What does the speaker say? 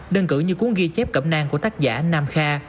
đơn cử như cuốn ghi chép cẩm nang của tác giả nam kha